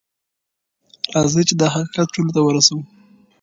راځئ چې دا حقیقت ټولو ته ورسوو.